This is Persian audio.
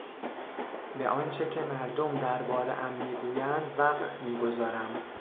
به آنچه که مردم دربارهام میگویند وقع می گذارم.